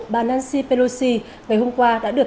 bà nancy pelosi ngày hôm qua đã được